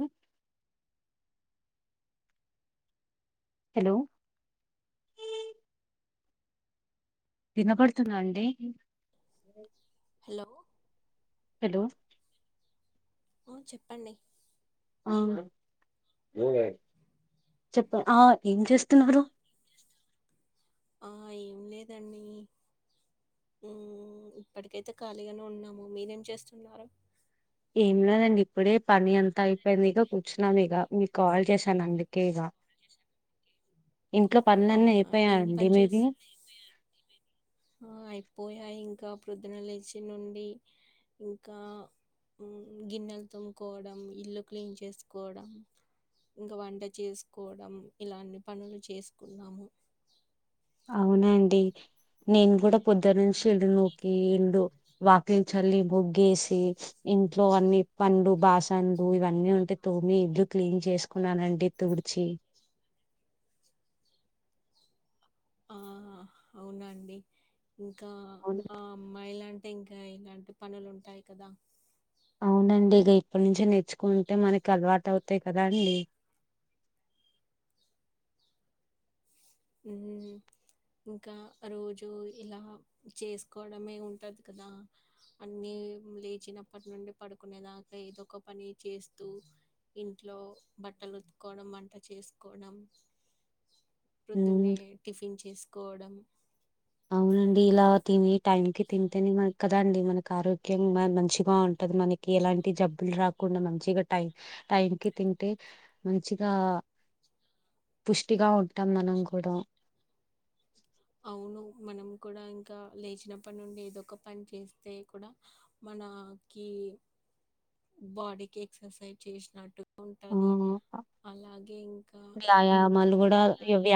ఉ hello వినబడుతుందా అండి hello hello ఉ చెప్పండి ఆ ఆ చెప్ ఏం చేస్తున్నారు అ ఏం లేదండి మ్ ఇప్పటికైతే ఖాళీగానే ఉన్నాము మీరేం చేస్తున్నారు ఏం లేదండి ఇప్పుడే పని అంతా అయిపోయింది ఇగా కూర్చున్నాం ఇగా మీకు కాల్ చేశాను అందుకే ఇగా అవునా ఏం పని చేస్త ఆ అయిపోయ ఇంకా ప్రొద్దున లేచి నుండి ఇంకా గిన్నెలు తుమ్ముకోవడం ఇల్లు క్లీన్ చేసుకోవడం ఇంకా వంట చేసుకోవడం ఇలాంటి పనులు చేసు కున్నాము అవునండి నేను గూడ పొద్దు నుంచి ఇల్లు నుకి ఎండు వాకి చల్లి బు గేసి ఇంట్లో అన్ని పన్లు బాసంలు ఇవన్నీ ఉంటే తోమి ఇండ్లు క్లీన్ చేసుకున్నానండి తుడిచి ఆహ అవునండి ఇంకా ఆ అమ్మాయిలన్ ఇంకాయ్ ఇలాంటి పనులు ఉంటాయి కదా. అవునండి ఇక ఇప్పటి నుంచి నేర్చుకుంటే మనకి అలవాటు అవుతాయి కదా అండి. ఉహు ఇంకా రోజు ఇలా చేసుకోవడమే ఉంటది కదా. అన్నీ లేచినప్పటి నుండి పడుకునేదాకా ఏదో ఒక పని చేస్తూ ఇంట్లో బట్టలు ఉతుకోవడం, వంట చేసుకోవడం ఉమ్, ప్రొద్దున్నే టిఫిన్చు సుకోవడం అవునండి ఇలా తిని టైం కి తింటేనే కదా అండి మనకి ఆరోగ్యం మంచిగా ఉంటది. మనకి ఎలాంటి జబ్బులు రాకుండా మంచిగా టైం టైం కి తింటే మంచిగా, పుష్టిగా ఉంటాం మనం కూడా అవును మనం కూడా ఇంకా లేచినప్పటి నుండి ఏదో ఒక పని చేస్తే కూడా మనకి బాడీకి ఎక్సర్సైజ్ చేసినట్టు ఆ ఉంటాది అలాగ్ ఇం వ్యాయామాలు కూడా వ్యావే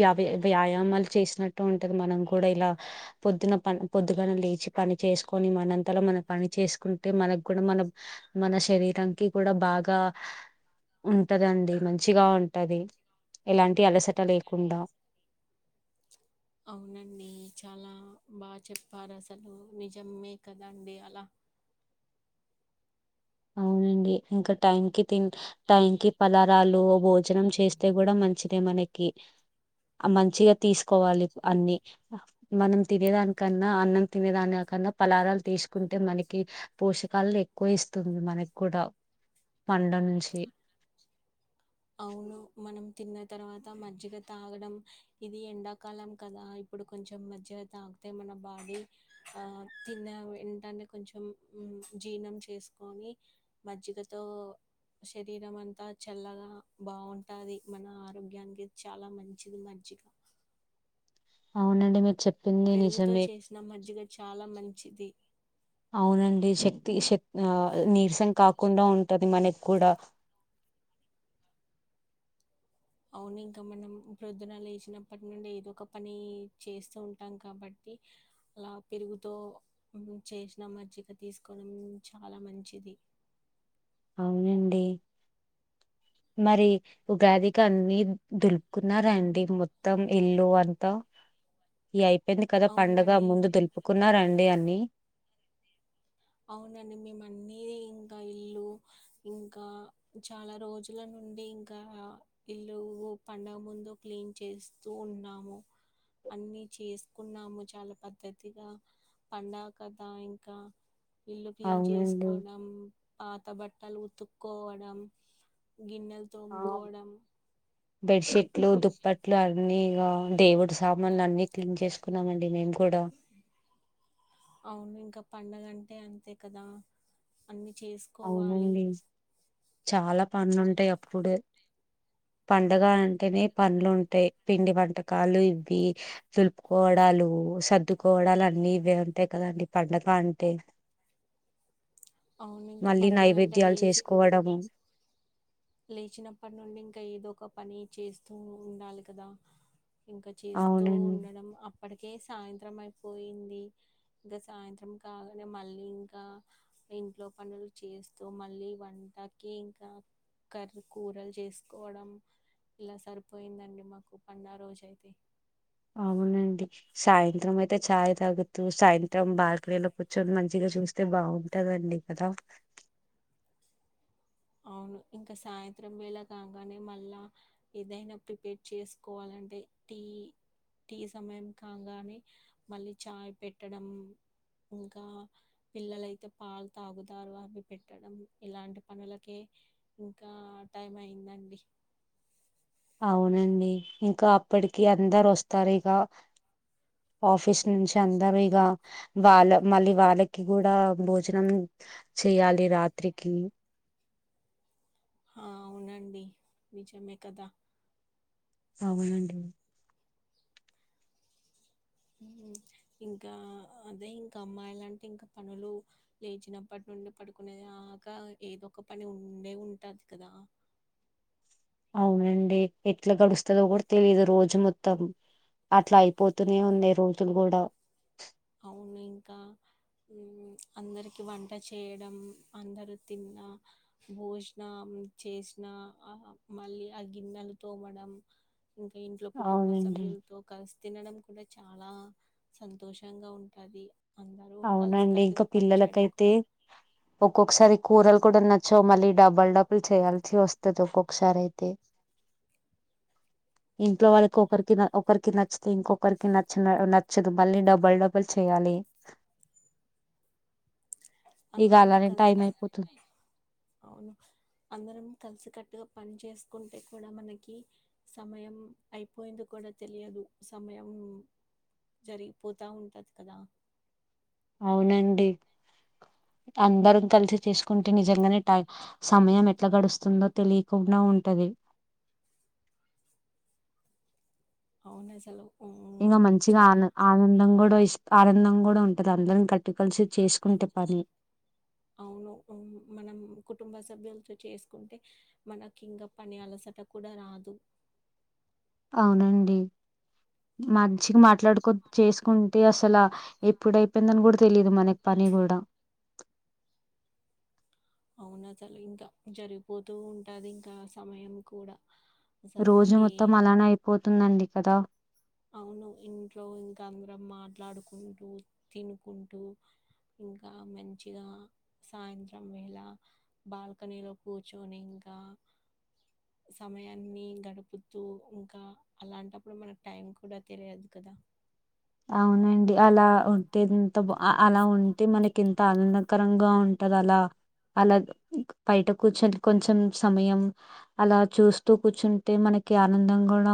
వ్యాపే వ్యాయామాలు చేసినట్టు ఉంటది. మనం కూడా ఇలా పొద్దున ప పొద్దుగానే లేచి పని చేసుకొని మనంతలో మనం పని చేసుకుంటే, మనకు కూడా మన మన శరీరానికి కూడా బాగా ఉంటదండి మంచిగా ఉం టది ఎలాంటి అలసట లేకుండా అవునండి చాలా బా చెప్పారు అసలు నిజమే కదండి అలా అవునండి ఇంకా టైం కి తి టైం కి పలారాలు భో చేనం చేస్తే కూడా మంచి తే మనకి అ మంచిగా తీసుకోవాలి అన్ని మనం తినేదానికన్నా అన్నం తినేదానికన్నా, ఫలారాలు తీసుకుంటే మనకి పోషకాలు ఎక్కువ ఇస్త తుంది మనకి కూడా పండ్ల నుంచి అవును మనం తిన్న తర్వాత మజ్జిగ తాగడం ఇది ఎండాకాలం కదా. ఇప్పుడు కొంచెం మజ్జిగ తాగితే మన బాడీ ఆ తిన్న వెంటనే కొంచెం జీర్ణం చేసుకొని మజ్జిగతో శరీరం అంతా చల్లగా బావుంటాది మన ఆరోగ్యానికి చాలా మంచిది మజ్జిగ అవునండి మీరు చె పెరుగుతో చేసిన మజ్జిగ చాలా మంచిది. అవునండి శక్తి శక్తి ఆ నీరసం కాకుండా ఉంటది మనె కూడ అవును ఇంకా మనం ప్రొద్దున లేచినప్పటి నుండి ఏదో ఒక పని చేస్తూ ఉంటాం. కాబట్టి అలా పెరుగుతో చేసిన మజ్జిగ తీసుకోవడం చాలా మంచిది. అవునండి. మరి ఉగాదికి అన్ని దులుపుకున్నారండి మొత్తం ఇల్లు అంతా యయి చెప్పింది కదా పండగ అవునండి. ముందు దులుపుకున్నరండి అన్నీ అవునండి మేము అన్నీ ఇంకా ఇల్లు ఇంకా చాలా రోజుల నుండి ఇంకా ఇల్లు పండగ ముందు క్లీన్ చేస్తూ ఉన్నాము. అన్నీ చేసుకున్నాము చాలా పద్ధతిగా పండగ కదా ఇంకా. ఇల్లు క్లీన్ అవునండి చేసుకోవడం పాత బట్టలు ఉతుక్కోవడం గిన్నెలు తోముకోవడం బెడ్షీట్లు, దుప్పట్లు అన్ని అవును దేవుడ్స్ సామాన్లు అన్ని క్లీన్ చేసుకున్నాము అండి మేము కూడా అవును ఇంకా పండగ అంటే అంతే కదా అన్ని చేసుకోవాలి అవునండి చాలా పనులుంటాయ్ అప్పుడే పండగ అంటేనే పన్లు ఉంటాయి పిండి వంటకాలు ఇవి దులుపుకోవడాలు సర్దుకోవడాలు అన్ని ఇవే ఉంటాయి కదండి పండగ అంటే అవును ఇంకా మళ్ళీ పండగ అంటే నైవేద్యాలు లేచి చేసుకోవడము లేచినప్పటి నుండి ఇంకా ఏదో ఒక పని చేస్తూ ఉండాలి కదా ఇంకా చేస్తూ అవునండి ఉండడం అప్పటికే సాయంత్రం అయిపోయింది ఇంకా సాయంత్రం కాగానే మళ్ళీ ఇంకా ఇంట్లో పనులు చేస్తూ మళ్ళీ వంటకి ఇంకా కర్రి కూరలు చేసుకోవడం ఇలా సరిపోయిందండి మాకు పండుగా రోజు ఐతే అవునండి సాయంత్రం అయితే చాయ్ తాగుతూ సాయంత్రం బాల్కనీ లో కూర్చొని మంచిగా చూస్తే బాగుంటదండి కదా అవును ఇంకా సాయంత్రం వేళ కాగానే మళ్ళా ఏదైనా ప్రిపేర్ చేసుకోవాలంటే టీ టీ సమయం కాగానే మళ్ళీ చాయ్ పెట్టడం ఇంకా పిల్లలైతే పాలు తాగుతారు అవి పెట్టడం ఇలాంటి పనుల ఓకే ఇంకా టైం అయిందండి అవునండి ఇంకా అప్పటికి అందరు వస్తారు ఇక ఆఫీస్ నుంచి అందరు ఇక వాళ్ళ మళ్ళీ వాళ్ళకి కూడా భోజనం చెయాలి రాత్రికి అవునండి నిజమే కదా అవునండి ఇంకా అదే ఇంకా అమ్మాయిలు అంటే ఇంకా పనులు లేచినప్పటి నుండి పడుకునే దాకా ఏదో ఒక పని ఉండే ఉంటది కదా అవునండి ఎట్లా గడుస్తదో కూడా తెలిదు రోజు మొత్తం అట్లా అయిపోతూనే ఉంది రోజులు కూడా అవును ఇంకా అందరికి వంట చేయడం అందరూ తిన్న భోజనం చేసిన మళ్ళీ ఆ గిన్నెలు తోమడం ఇంకా ఇంట్లో కుటుంబ అవునండి సభ్యులతో కలిసి తినడం కూడా చాలా సంతోషం షంగా ఉంటాది అవునండి ఇంకా పిల్లలకైతే కూడా ఒక్కొక్కసారి కూరలు కూడా నచ్చవ్ మళ్ళీ డబల్ డబల్ చేయాల్సి వస్తది ఒక్కొక్కసారి అయితే ఇంట్లో వాళ్ళకి ఒకరికి ఒకరికి నచ్చితే ఇంకొకరికి నచ్చ నచ్చదు మళ్ళీ డబల్ డబల్ చెయాలి. ఇక అందరం అలానే కలిసి టైం అయిపోతుంది అవును అందరం కలిసి కట్టుగా పని చేసుకుంటే కూడా మనకి సమయం అయిపోయింది కూడా తెలియదు సమయం జరిగిపోతా ఉంటుంది కదా అవునండి అందరం కలిసి చేసుకుంటే నిజంగానే టై సమయం ఎట్లా గడుస్తుందో తెలియకుండా ఉంటది అవును అసలు ఇంగ ఉమ్, మంచిగా చాలా ఆన ఆనందం కూడా ఇష్ ఆనందం కూడా ఉంటది అందరం కట్టు కలిసి చేసుకుంటే పని అవును ఉమ్ మనం కుటుంబ సభ్యులతో చేసుకుంటే మనకి ఇంగ పని అలసట కూడా రాదు అవునండి మంచి మాట్లాడుకో చేసుకుంటే అసల ఎప్పుడయిపోయిందని కూడా తెలిదు మనకి పని కూడా అవును అసలు ఇంకా జరిగిపోతూ ఉంటాది ఇంకా సమయం కూడా అసలు రోజు ఏ మొత్తం అలానే అయిపోతుందండి కదా అవును ఇంట్లో ఇంకా అందరం మాట్లాడుకుంటూ తినుకుంటూ ఇంకా మంచిగా సాయంత్రం వేళ బాల్కనీలో కూర్చొని ఇంకా సమయాన్ని గడుపుతూ ఇంకా అలాంటప్పుడు మన టైం కూడా తెలియదు కదా అవునండి అలా ఉంటే ఎంత అలా ఉంటే మనకి ఎంత ఆనందకరంగా ఉంటది అలా అలా బయట కూర్చొని కొంచెం సమయం అలా చూస్తూ కూర్చుంటే మనకి ఆనందంగ గూడా